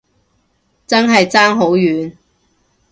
真係爭好遠